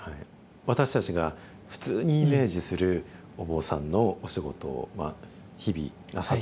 私たちが普通にイメージするお坊さんのお仕事を日々なさってるわけですよね。